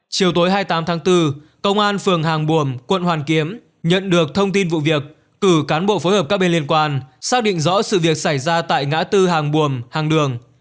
chiều tối hai mươi tám tháng bốn công an phường hàng buồm quận hoàn kiếm nhận được thông tin vụ việc cử cán bộ phối hợp các bên liên quan xác định rõ sự việc xảy ra tại ngã tư hàng buồm hàng đường